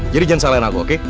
jadi jangan salahin aku oke